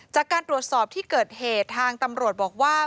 จากการตรวจสอบที่เกิดเหตุทางตำรวจบอกว่า